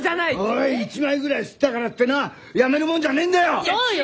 おい一枚ぐらい刷ったからってな辞めるもんじゃねえんだよ！